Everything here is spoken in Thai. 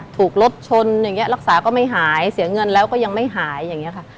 ถูกรถชนอย่างนี้รักษาก็ไม่หายเสียเงินแล้วก็ยังไม่หายอย่างนี้ค่ะ